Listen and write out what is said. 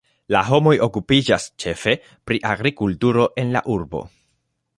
La homoj okupiĝas ĉefe pri agrikulturo en la urbo.